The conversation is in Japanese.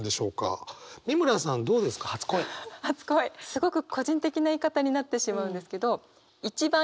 すごく個人的な言い方になってしまうんですけどうわ